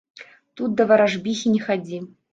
Тут да варажбіхі не хадзі.